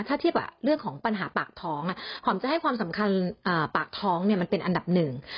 ถ้าเทียบกับเรื่องของปัญหาปากท้องหอมจะให้ความสำคัญปากท้องมันเป็นอันดับหนึ่ง